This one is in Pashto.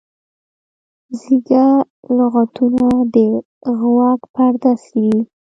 زیږه لغتونه د غوږ پرده څیري.